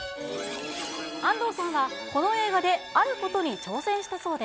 安藤さんはこの映画であることに挑戦したそうで。